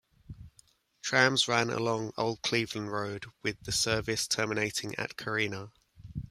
Trams ran along Old Cleveland Road with the service terminating at Carina.